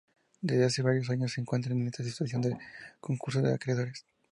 Desde hace varios años se encuentra en situación de concurso de acreedores.